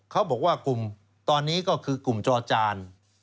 เขาบอกว่ากลุ่มตอนนี้ก็คือกลุ่มจอจาน